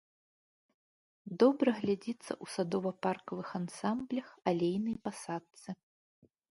Добра глядзіцца ў садова-паркавых ансамблях, алейнай пасадцы.